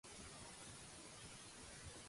El disc Em sents? quin tipus de música contenia?